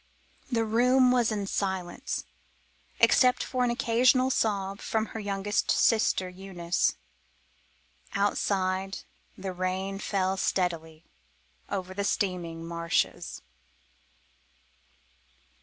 The room was in silence except for an occasional sob from the youngest sister, Eunice. Outside the rain fell steadily over the steaming marshes.